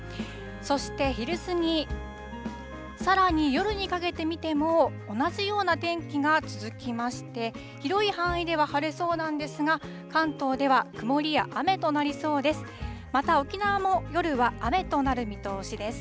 そして昼過ぎ、さらに夜にかけて見ても、同じような天気が続きまして、広い範囲では晴れそうなんですが、関東では曇りや雨となりそうです。